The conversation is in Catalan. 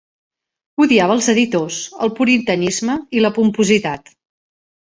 Odiava els editors, el puritanisme i la pompositat.